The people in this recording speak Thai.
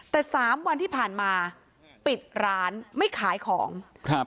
แต่สามวันที่ผ่านมาปิดร้านไม่ขายของครับ